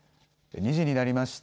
２時になりました。